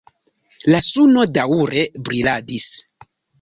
La suno daŭre briladis.